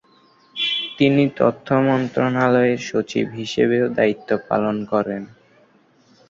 তিনি তথ্য মন্ত্রণালয়ের সচিব হিসেবেও দায়িত্ব পালন করেন।